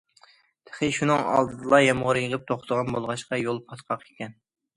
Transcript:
تېخى شۇنىڭ ئالدىدىلا يامغۇر يېغىپ توختىغان بولغاچقا، يول پاتقاق ئىكەن.